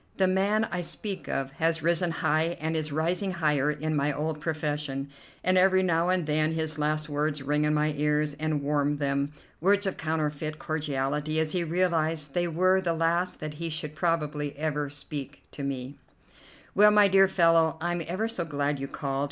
The man I speak of has risen high and is rising higher in my old profession, and every now and then his last words ring in my ears and warm them, words of counterfeit cordiality as he realized they were the last that he should probably ever speak to me: "Well, my dear fellow, I'm ever so glad you called.